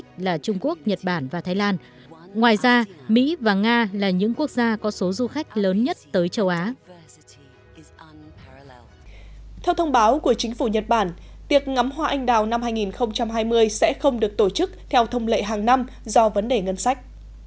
theo thông báo của chính phủ nhật bản việc ngắm hoa anh đào năm hai nghìn hai mươi sẽ không được tổ chức theo thông lệ hàng năm do vấn đề ngân sách